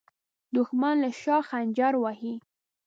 دښمن له شا خنجر وهي